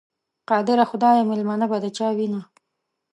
قادره خدایه، مېلمنه به د چا وینه؟